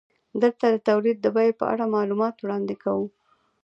دلته د تولید د بیې په اړه معلومات وړاندې کوو